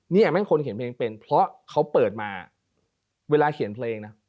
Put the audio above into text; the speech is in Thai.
เนี่ยแม่งคนเขียนเพลงเป็นเพราะเขาเปิดมาเวลาเขียนเพลงนะ